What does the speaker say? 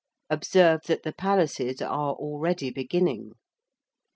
Observe that the palaces are already beginning.